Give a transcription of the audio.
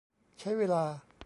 ใช้เวลา